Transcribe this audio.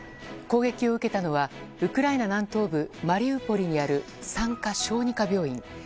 攻撃を受けたのはウクライナ南東部マリウポリにある産科・小児科病院。